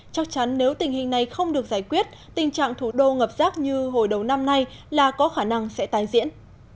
chắc chắn nếu tình hình này không được giải quyết tình trạng thủ đô ngập rác như hồi đầu năm nay là có khả năng sẽ tái diễn